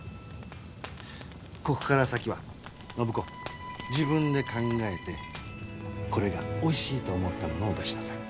ここから先は暢子自分で考えてこれがおいしいと思ったものを出しなさい。